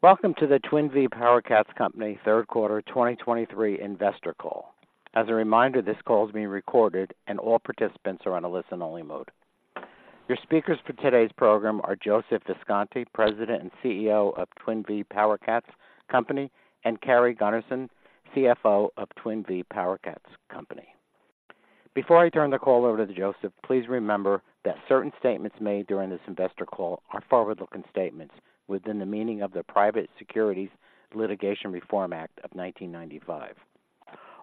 Welcome to the Twin Vee PowerCats Company Q3 2023 investor call. As a reminder, this call is being recorded and all participants are on a listen-only mode. Your speakers for today's program are Joseph Visconti, President and CEO of Twin Vee PowerCats Company, and Carrie Gunnerson, CFO of Twin Vee PowerCats Company. Before I turn the call over to Joseph, please remember that certain statements made during this investor call are forward-looking statements within the meaning of the Private Securities Litigation Reform Act of 1995.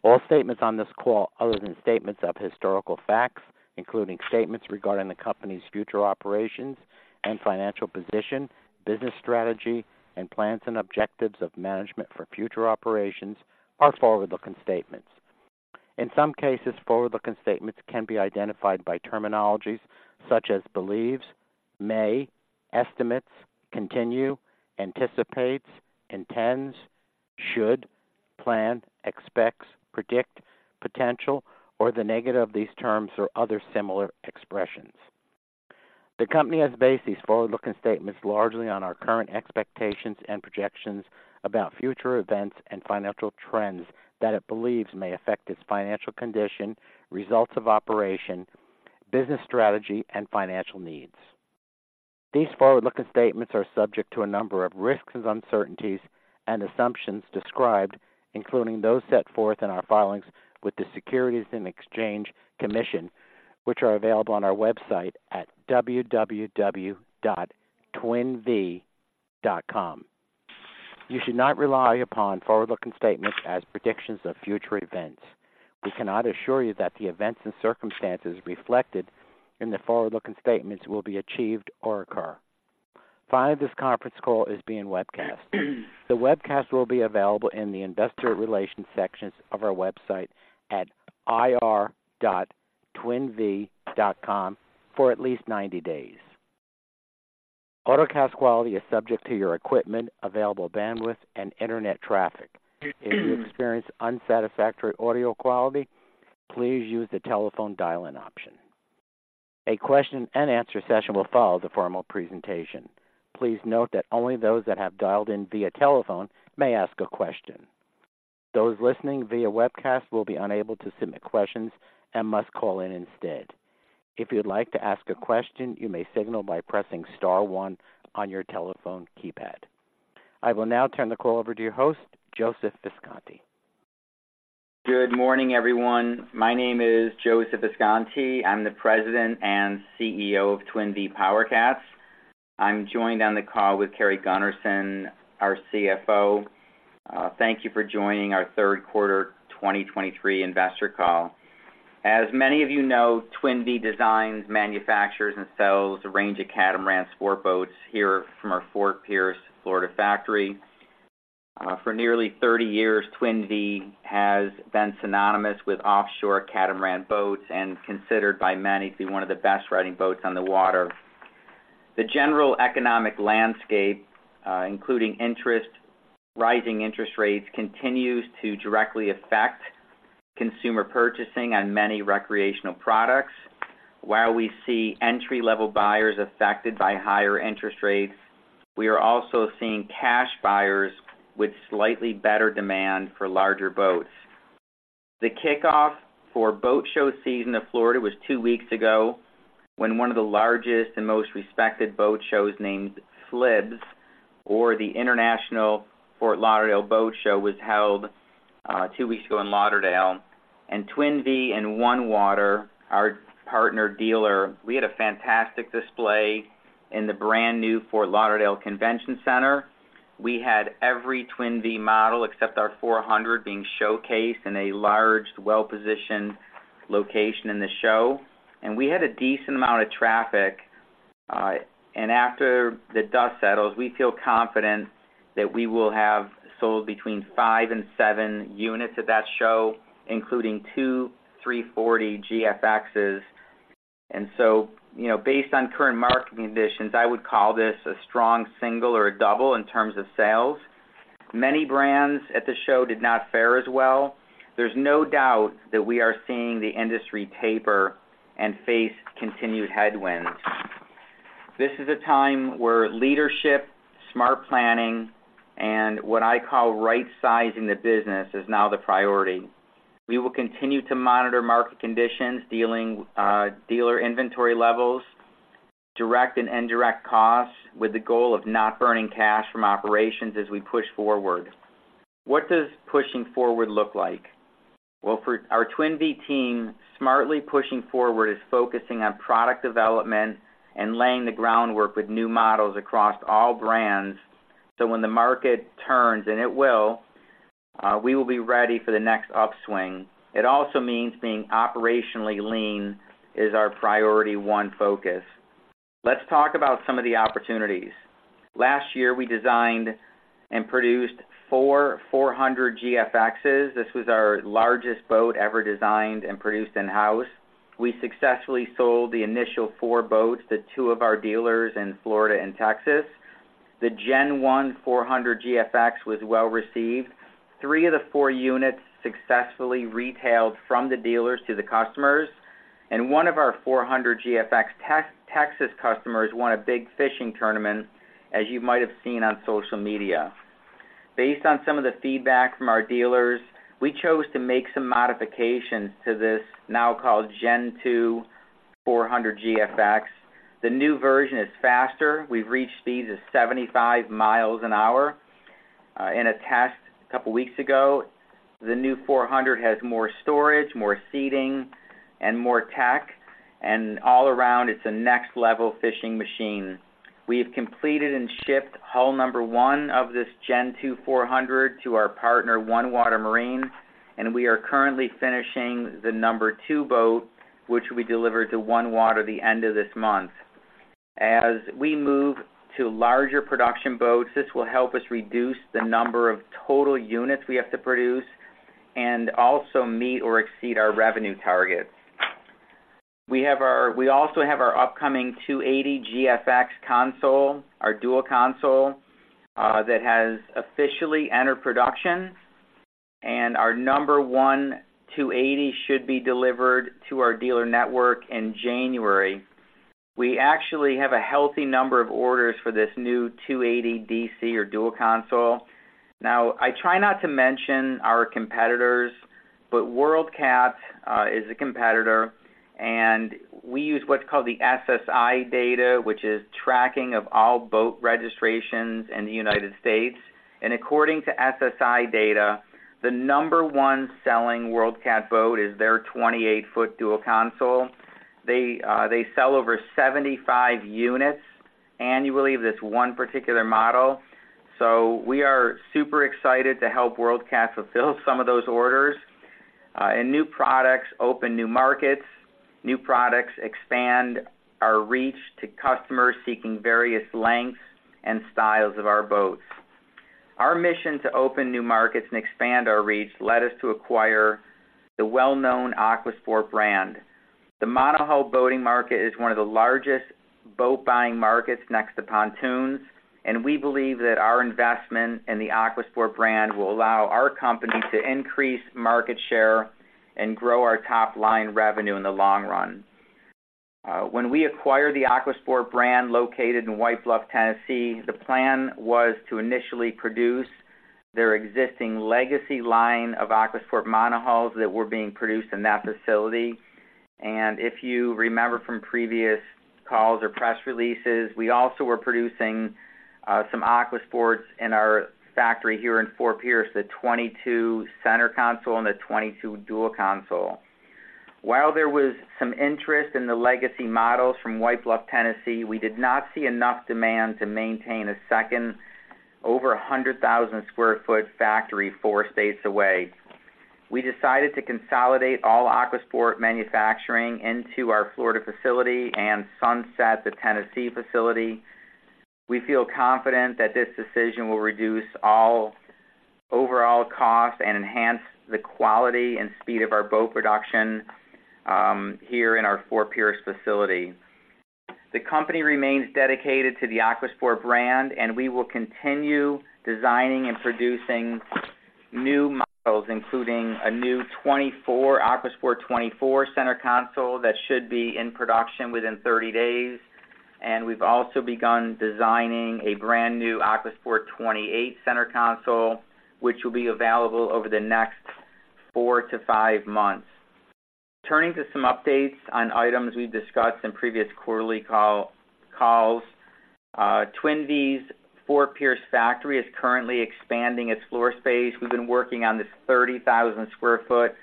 All statements on this call, other than statements of historical facts, including statements regarding the company's future operations and financial position, business strategy, and plans and objectives of management for future operations, are forward-looking statements. In some cases, forward-looking statements can be identified by terminologies such as believes, may, estimates, continue, anticipates, intends, should, plan, expects, predict, potential, or the negative of these terms or other similar expressions. The company has based these forward-looking statements largely on our current expectations and projections about future events and financial trends that it believes may affect its financial condition, results of operation, business strategy, and financial needs. These forward-looking statements are subject to a number of risks, uncertainties, and assumptions described, including those set forth in our filings with the Securities and Exchange Commission, which are available on our website at www.twinvee.com. You should not rely upon forward-looking statements as predictions of future events. We cannot assure you that the events and circumstances reflected in the forward-looking statements will be achieved or occur. Finally, this conference call is being webcast. The webcast will be available in the investor relations section of our website at ir.twinvee.com for at least 90 days. Webcast quality is subject to your equipment, available bandwidth, and internet traffic. If you experience unsatisfactory audio quality, please use the telephone dial-in option. A question and answer session will follow the formal presentation. Please note that only those that have dialed in via telephone may ask a question. Those listening via webcast will be unable to submit questions and must call in instead. If you'd like to ask a question, you may signal by pressing star one on your telephone keypad. I will now turn the call over to your host, Joseph Visconti. Good morning, everyone. My name is Joseph Visconti. I'm the President and CEO of Twin Vee PowerCats. I'm joined on the call with Carrie Gunnerson, our CFO. Thank you for joining our Q3 2023 investor call. As many of you know, Twin Vee designs, manufactures, and sells a range of catamaran sport boats here from our Fort Pierce, Florida, factory. For nearly 30 years, Twin Vee has been synonymous with offshore catamaran boats and considered by many to be one of the best-riding boats on the water. The general economic landscape, including rising interest rates, continues to directly affect consumer purchasing on many recreational products. While we see entry-level buyers affected by higher interest rates, we are also seeing cash buyers with slightly better demand for larger boats. The kickoff for boat show season in Florida was two weeks ago, when one of the largest and most respected boat shows, named FLIBS, or the International Fort Lauderdale Boat Show, was held two weeks ago in Fort Lauderdale. Twin Vee and OneWater, our partner dealer, had a fantastic display in the brand-new Fort Lauderdale Convention Center. We had every Twin Vee model, except our 400, being showcased in a large, well-positioned location in the show, and we had a decent amount of traffic. After the dust settles, we feel confident that we will have sold between 5 and 7 units at that show, including two 340 GFXs. So, you know, based on current market conditions, I would call this a strong single or a double in terms of sales. Many brands at the show did not fare as well. There's no doubt that we are seeing the industry taper and face continued headwinds. This is a time where leadership, smart planning, and what I call right-sizing the business is now the priority. We will continue to monitor market conditions, dealing, dealer inventory levels, direct and indirect costs, with the goal of not burning cash from operations as we push forward. What does pushing forward look like? Well, for our Twin Vee team, smartly pushing forward is focusing on product development and laying the groundwork with new models across all brands, so when the market turns, and it will, we will be ready for the next upswing. It also means being operationally lean is our priority one focus. Let's talk about some of the opportunities. Last year, we designed and produced 4 400 GFXs. This was our largest boat ever designed and produced in-house. We successfully sold the initial 4 boats to two of our dealers in Florida and Texas. The Gen 1 400 GFX was well-received. Three of the 4 units successfully retailed from the dealers to the customers. One of our 400 GFX Texas customers won a big fishing tournament, as you might have seen on social media. Based on some of the feedback from our dealers, we chose to make some modifications to this, now called Gen 2 400 GFX. The new version is faster. We've reached speeds of 75 miles an hour in a test a couple weeks ago. The new 400 has more storage, more seating, and more tech, and all around, it's a next-level fishing machine. We have completed and shipped hull number 1 of this Gen 2 400 to our partner, OneWater Marine, and we are currently finishing the number 2 boat, which will be delivered to OneWater the end of this month. As we move to larger production boats, this will help us reduce the number of total units we have to produce and also meet or exceed our revenue targets. We also have our upcoming 280 GFX console, our dual console, that has officially entered production, and our number 1 280 should be delivered to our dealer network in January. We actually have a healthy number of orders for this new 280 DC, or dual console. Now, I try not to mention our competitors, but World Cat is a competitor, and we use what's called the SSI Data, which is tracking of all boat registrations in the United States. And according to SSI Data, the number one selling World Cat boat is their 28-foot dual console. They, they sell over 75 units annually of this one particular model. So we are super excited to help World Cat fulfill some of those orders. And new products open new markets. New products expand our reach to customers seeking various lengths and styles of our boats. Our mission to open new markets and expand our reach led us to acquire the well-known Aquasport brand. The monohull boating market is one of the largest boat-buying markets next to pontoons, and we believe that our investment in the Aquasport brand will allow our company to increase market share and grow our top-line revenue in the long run. When we acquired the Aquasport brand, located in White Bluff, Tennessee, the plan was to initially produce their existing legacy line of Aquasport monohulls that were being produced in that facility. If you remember from previous calls or press releases, we also were producing some Aquasports in our factory here in Fort Pierce, the 22 center console and the 22 dual console. While there was some interest in the legacy models from White Bluff, Tennessee, we did not see enough demand to maintain a second over 100,000 sq ft factory four states away. We decided to consolidate all Aquasport manufacturing into our Florida facility and sunset the Tennessee facility. We feel confident that this decision will reduce all overall costs and enhance the quality and speed of our boat production here in our Fort Pierce facility. The company remains dedicated to the Aquasport brand, and we will continue designing and producing new models, including a new 24 Aquasport 24 center console that should be in production within 30 days. We've also begun designing a brand-new Aquasport 28 center console, which will be available over the next 4-5 months. Turning to some updates on items we've discussed in previous quarterly calls. Twin Vee's Fort Pierce factory is currently expanding its floor space. We've been working on this 30,000-sq-ft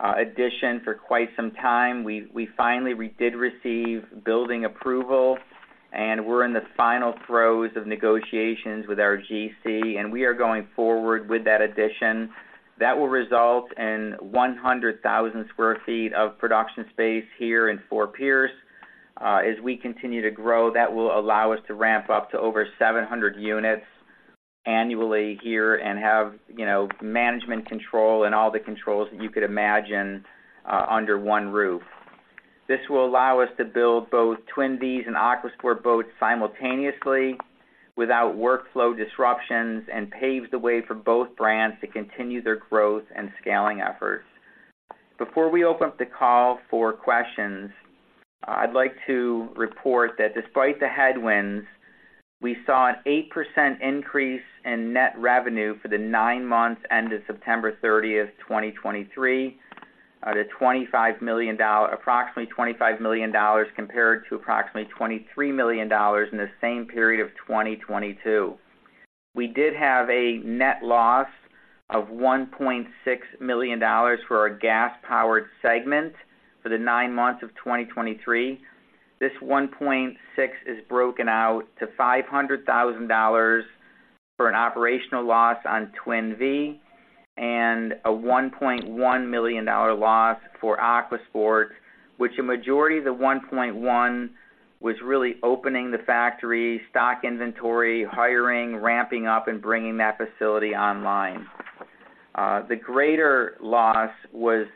addition for quite some time. We finally did receive building approval, and we're in the final throes of negotiations with our GC, and we are going forward with that addition. That will result in 100,000 sq ft of production space here in Fort Pierce. As we continue to grow, that will allow us to ramp up to over 700 units annually here and have, you know, management control and all the controls that you could imagine, under one roof. This will allow us to build both Twin Vee and Aquasport boats simultaneously without workflow disruptions and paves the way for both brands to continue their growth and scaling efforts. Before we open up the call for questions, I'd like to report that despite the headwinds, we saw an 8% increase in net revenue for the nine months ended September 30, 2023, to $25 million, approximately $25 million, compared to approximately $23 million in the same period of 2022. We did have a net loss of $1.6 million for our gas-powered segment for the nine months of 2023. This $1.6 million is broken out to $500,000 for an operational loss on Twin Vee and a $1.1 million loss for Aquasport, which a majority of the $1.1 million was really opening the factory, stock inventory, hiring, ramping up, and bringing that facility online. The greater loss was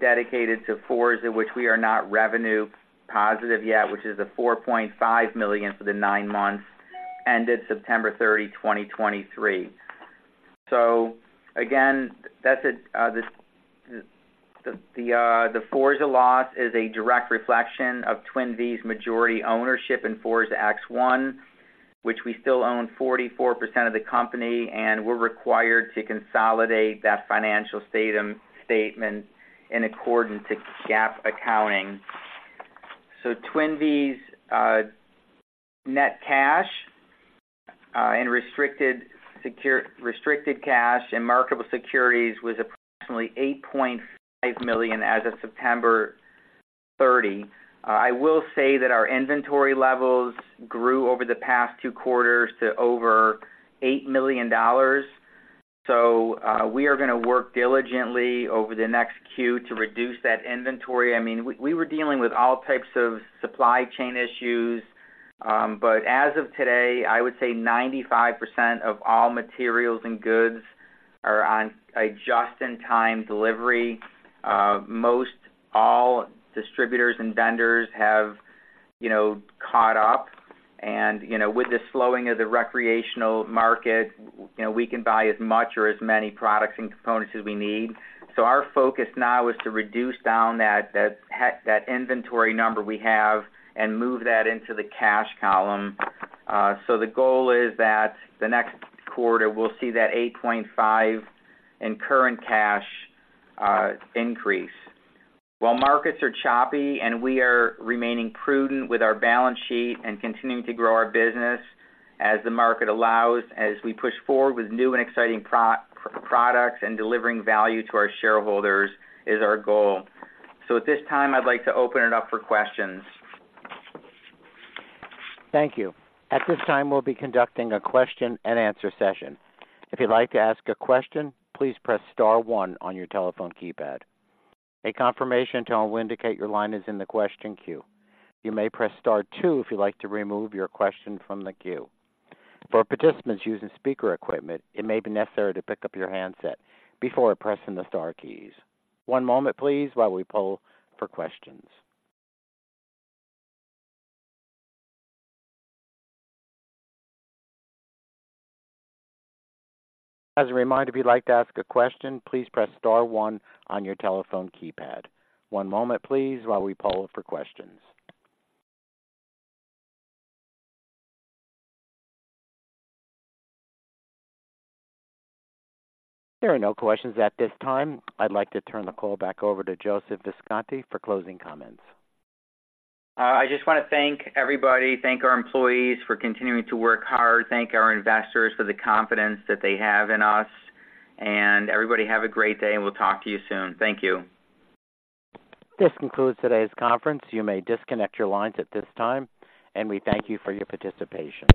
dedicated to Forza, in which we are not revenue positive yet, which is a $4.5 million for the nine months ended September 30, 2023. So again, that's it, the Forza loss is a direct reflection of Twin Vee's majority ownership in Forza X1, which we still own 44% of the company, and we're required to consolidate that financial statement in accordance to GAAP accounting. So Twin Vee's net cash and restricted cash and marketable securities was approximately $8.5 million as of September 30. I will say that our inventory levels grew over the past two quarters to over $8 million. So, we are gonna work diligently over the next Q to reduce that inventory. I mean, we were dealing with all types of supply chain issues, but as of today, I would say 95% of all materials and goods are on a just-in-time delivery. Most all distributors and vendors have, you know, caught up and, you know, with the slowing of the recreational market, you know, we can buy as much or as many products and components as we need. So our focus now is to reduce down that inventory number we have and move that into the cash column. So the goal is that the next quarter, we'll see that $8.5 in current cash increase. While markets are choppy and we are remaining prudent with our balance sheet and continuing to grow our business as the market allows, as we push forward with new and exciting products and delivering value to our shareholders is our goal. So at this time, I'd like to open it up for questions. Thank you. At this time, we'll be conducting a question and answer session. If you'd like to ask a question, please press star one on your telephone keypad. A confirmation tone will indicate your line is in the question queue. You may press star two if you'd like to remove your question from the queue. For participants using speaker equipment, it may be necessary to pick up your handset before pressing the star keys. One moment, please, while we poll for questions. As a reminder, if you'd like to ask a question, please press star one on your telephone keypad. One moment, please, while we poll for questions. There are no questions at this time. I'd like to turn the call back over to Joseph Visconti for closing comments. I just want to thank everybody, thank our employees for continuing to work hard, thank our investors for the confidence that they have in us. Everybody, have a great day, and we'll talk to you soon. Thank you. This concludes today's conference. You may disconnect your lines at this time, and we thank you for your participation.